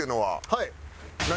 はい。